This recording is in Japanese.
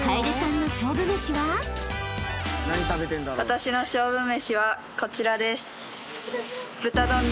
私の勝負めしはこちらです。